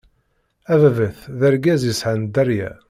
Ababat d argaz yesɛan dderya.